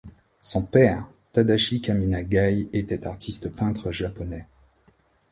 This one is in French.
Son père, Tadashi Kaminagai, était artiste-peintre japonais.